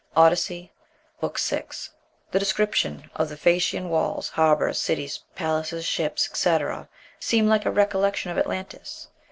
Odyssey, book vi. The description of the Phæacian walls, harbors, cities, palaces, ships, etc., seems like a recollection of Atlantis.